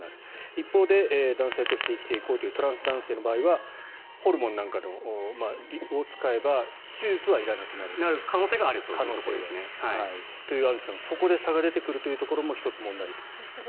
一方で男性として生きていこうというトランス男性の場合はホルモンなんかを使えば可能性があると。という、アンジュさんそこで差が出てくるというのも１つ問題ということです。